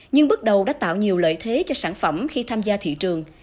nhưng bước đầu đã tạo nhiều lợi thế cho sản phẩm khi tham gia thị trường